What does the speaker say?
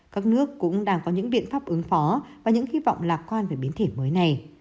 các nước cũng đang có những biện pháp ứng phó và những hy vọng lạc quan về biến thể mới này